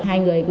hai người cũng